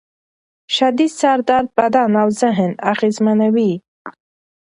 شدید سر درد بدن او ذهن اغېزمنوي.